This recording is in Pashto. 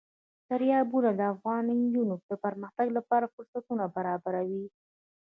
دریابونه د افغان نجونو د پرمختګ لپاره فرصتونه برابروي.